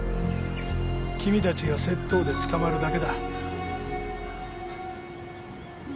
君たちが窃盗で捕まるだけだ。